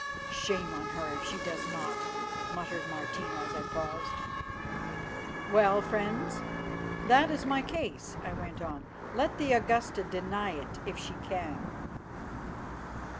"Shame on her if she does not," muttered Martina as I paused. "Well, friends, that is my case," I went on; "let the Augusta deny it if she can."